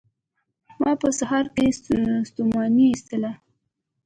ما په سهار کې ستوماني ایستله